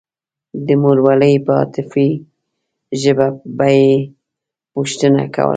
د مورولۍ په عاطفي ژبه به يې پوښتنه کوله.